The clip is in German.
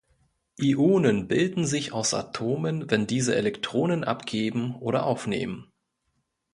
Ionen bilden sich aus Atomen, wenn diese Elektronen abgeben oder aufnehmen.